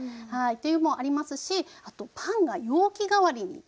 っていうのもありますしあとパンが容器代わりになってる。